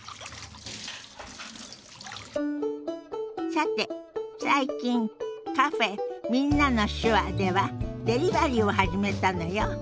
さて最近カフェ「みんなの手話」ではデリバリーを始めたのよ。